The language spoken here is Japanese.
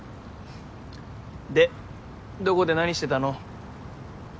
でどこで何してたの？